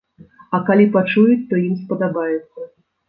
А калі пачуюць, то ім спадабаецца.